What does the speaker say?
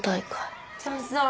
そうそう。